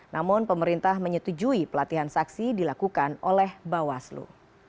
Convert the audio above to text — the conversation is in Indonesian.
namun pemerintah menyetujui pelatihan saksi dilakukan oleh bawaslu